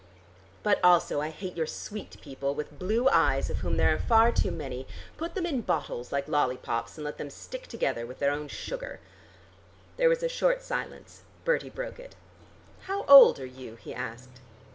But also I hate your sweet people, with blue eyes, of whom there are far too many. Put them in bottles like lollipops, and let them stick together with their own sugar." There was a short silence. Bertie broke it. "How old are you?" he asked.